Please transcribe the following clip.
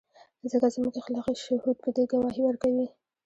ځکه زموږ اخلاقي شهود په دې ګواهي ورکوي.